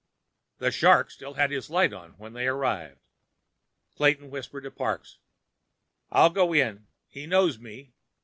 The Shark still had his light on when they arrived. Clayton whispered to Parks: "I'll go in. He knows me.